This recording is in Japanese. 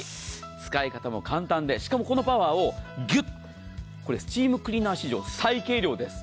使い方も簡単でしかもこのパワーをぎゅっとスチームクリーナー史上最軽量です。